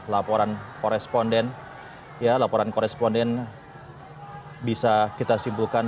laporan koresponden ya laporan koresponden bisa kita simpulkan